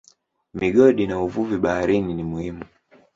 Migodi na uvuvi baharini ni muhimu.